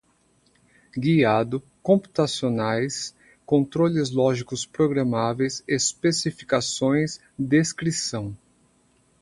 Guiado, computacionais, controladores lógicos programáveis, especificações, descrição